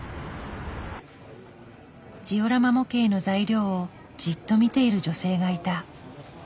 ジオラマ模型の材料をじっと見ている女性がいた。